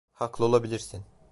Haklı olabilirsin.